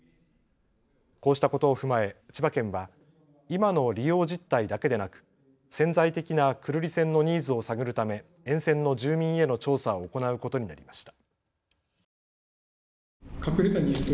こうしたことを踏まえ千葉県は今の利用実態だけでなく潜在的な久留里線のニーズを探るため沿線の住民への調査を行うことになりました。